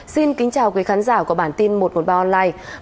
xin kính chào quý khán giả của bản tin một trăm một mươi ba online